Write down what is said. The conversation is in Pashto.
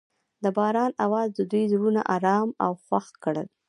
د باران اواز د دوی زړونه ارامه او خوښ کړل.